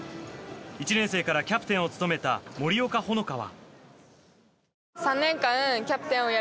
１年生からキャプテンを務めた森岡ほのかは。